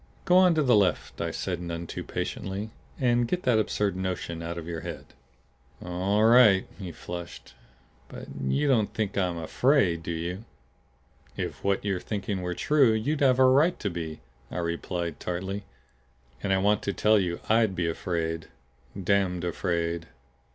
"Go on to the left," I said none too patiently. "And get that absurd notion out of your head." "All right." He flushed. "But you don't think I'm afraid, do you?" "If what you're thinking were true, you'd have a right to be," I replied tartly. "And I want to tell you I'D be afraid. Damned afraid."